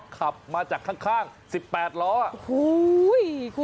ขับมาจากข้าง๑๘ล้อโอ้โฮคุณ